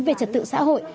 về trật tự xã hội